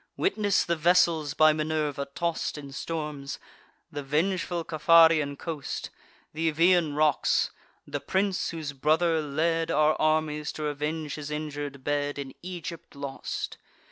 Witness the vessels by Minerva toss'd In storms; the vengeful Capharean coast; Th' Euboean rocks! the prince, whose brother led Our armies to revenge his injur'd bed, In Egypt lost!